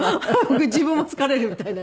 自分も疲れるみたいなので。